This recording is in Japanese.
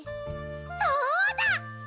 そうだ！